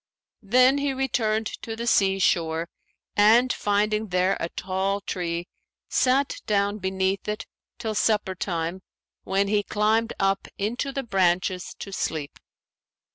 Then he returned to the sea shore and, finding there a tall tree, sat down beneath it till supper time when he climbed up into the branches to sleep.